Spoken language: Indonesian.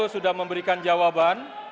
sudah memberikan jawaban